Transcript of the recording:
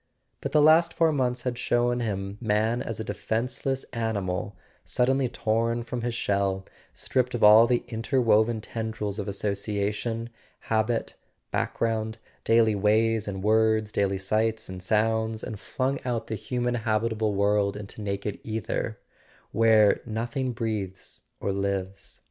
But the last four months had shown him man as a defenceless animal suddenly torn from his shell, stripped of all the interwoven ten [ 183 ] A SON AT THE FRONT drils of association, habit, background, daily ways and words, daily sights and sounds, and flung out of the human habitable world into naked ether, where nothing breathes or lives.